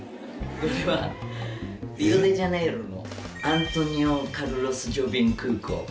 これはリオデジャネイロのアントニオ・カルロス・ジョビン空港。